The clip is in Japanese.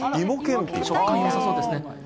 食感よさそうですね。